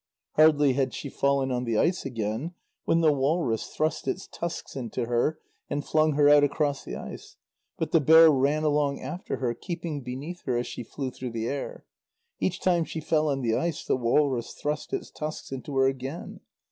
Hardly had she fallen on the ice again, when the walrus thrust its tusks into her and flung her out across the ice, but the bear ran along after her, keeping beneath her as she flew through the air. Each time she fell on the ice, the walrus thrust its tusks into her again.